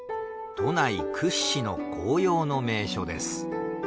都内屈指の紅葉の名所です。